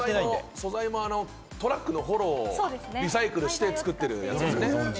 素材もトラックのホロをリサイクルして作ってやつですね。